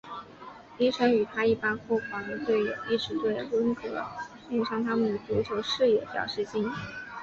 迪臣与他一班后防队友一直对温格延长他们的足球事业表示敬意。